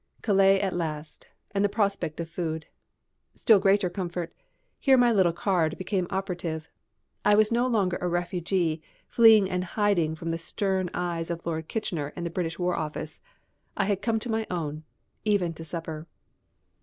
Calais at last, and the prospect of food. Still greater comfort, here my little card became operative. I was no longer a refugee, fleeing and hiding from the stern eyes of Lord Kitchener and the British War Office. I had come into my own, even to supper.